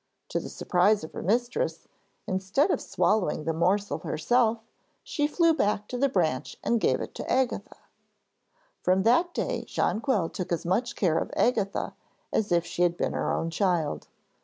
To the surprise of her mistress, instead of swallowing the morsel herself, she flew back to the branch and gave it to Agatha. From that day Jonquil took as much care of Agatha as if she had been her own child.